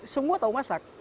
semua tahu masak